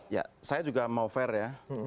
ya saya juga mau fair ya